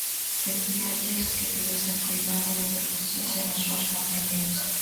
Pedíalles que tivesen coidado e protexesen as súas familias.